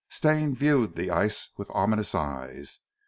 Stane viewed the ice with ominous eyes.